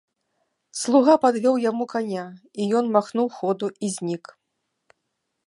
Слуга падвёў яму каня, і ён махнуў ходу і знік.